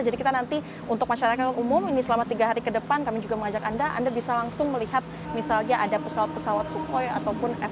jadi kita nanti untuk masyarakat umum ini selama tiga hari ke depan kami juga mengajak anda anda bisa langsung melihat misalnya ada pesawat pesawat sukhoi ataupun f enam belas